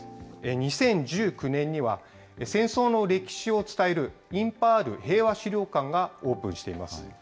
２０１９年には、戦争の歴史を伝えるインパール平和資料館がオープンしています。